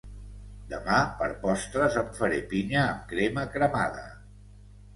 Demà per postres em faré pinya amb crema cremada